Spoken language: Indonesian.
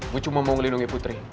gue cuma mau melindungi putri